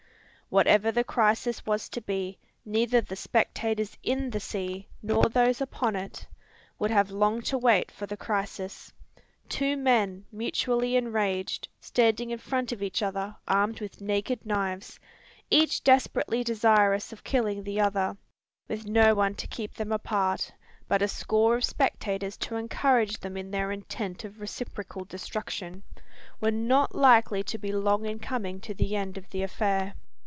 Whatever the crisis was to be, neither the spectators in the sea, nor those upon it, would have long to wait for the crisis. Two men, mutually enraged, standing in front of each other, armed with naked knives; each desperately desirous of killing the other, with no one to keep them apart, but a score of spectators to encourage them in their intent of reciprocal destruction, were not likely to be long in coming to the end of the affair.